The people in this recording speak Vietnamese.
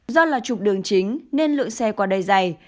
do là trục đường chính nên lượng xe qua đây dày